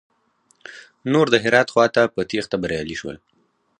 نور د هرات خواته په تېښته بريالي شول.